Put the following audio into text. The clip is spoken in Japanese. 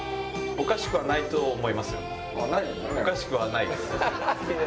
おかしくはないです。